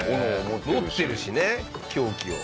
持ってるしね凶器を。